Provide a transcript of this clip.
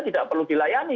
tidak perlu dilayani